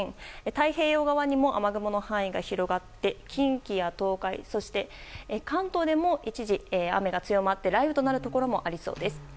太平洋側にも雨雲の範囲が広がって近畿や東海、そして関東でも一時雨が強まって雷雨となるところもありそうです。